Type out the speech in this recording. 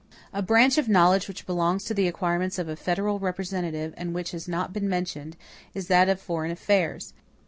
A branch of knowledge which belongs to the acquirements of a federal representative, and which has not been mentioned is that of foreign affairs.